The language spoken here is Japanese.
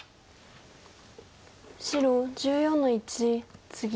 白１４の一ツギ。